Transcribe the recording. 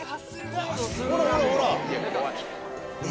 ほらほらほら。